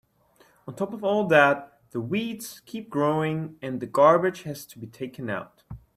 On top of all that, the weeds keep growing and the garbage has to be taken out.